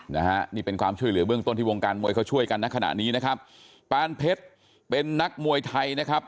นะฮะนี่เป็นความช่วยเหลือเบื้องต้นที่วงการมวยเขาช่วยกันนะขณะนี้นะครับปานเพชรเป็นนักมวยไทยนะครับ